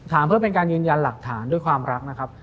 เพื่อเป็นการยืนยันหลักฐานด้วยความรักนะครับ